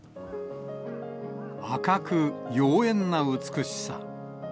赤く妖艶な美しさ。